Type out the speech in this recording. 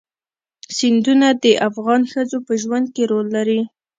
سیندونه د افغان ښځو په ژوند کې رول لري.